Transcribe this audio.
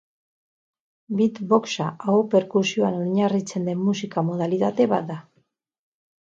Beatboxa aho-perkusioan oinarritzen den musika modalitate bat da.